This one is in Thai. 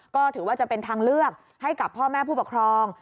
ก็ถือว่าจะเป็นทางเลือกให้กับพ่อแม่ผู้ปกครอง